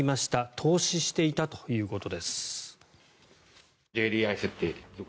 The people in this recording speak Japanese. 凍死していたということです。